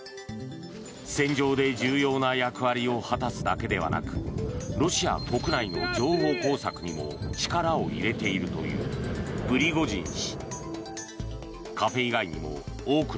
戦場で重要な役割を果たすだけではなくロシア国内の情報工作にも力を入れているというプリゴジン氏。